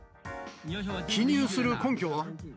記入する根拠は？